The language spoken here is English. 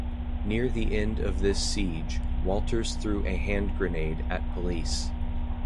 Near the end of this siege, Walters threw a hand grenade at police.